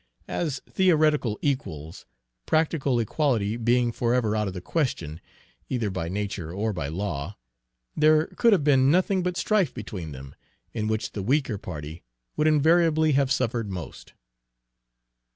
As theoretical equals, practical equality being forever out of the question, either by nature or by law, there could have been nothing but strife between them, in which the weaker party would invariably have suffered most.